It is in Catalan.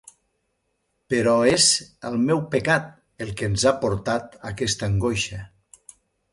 Però és el meu pecat, el que ens ha portat aquesta angoixa.